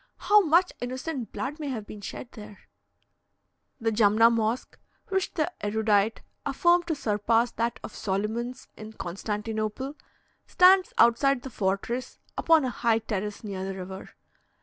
How much innocent blood may have been shed there! The Jumna Mosque, which the erudite affirm to surpass that of Soliman's in Constantinople, stands outside the fortress, upon a high terrace near the river.